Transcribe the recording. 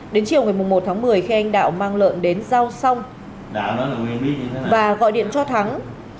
đến chiều một mươi một tháng một mươi khi anh đạo mang lợn đến giao song và gọi điện cho thắng